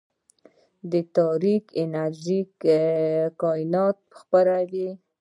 د تاریک انرژي کائنات پراخوي.